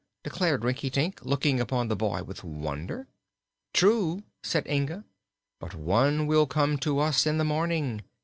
declared Rinkitink, looking upon the boy with wonder. "True," said Inga. "But one will come to us in the morning."